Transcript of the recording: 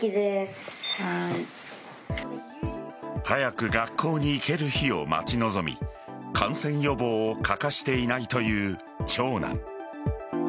早く学校に行ける日を待ち望み感染予防を欠かしていないという長男。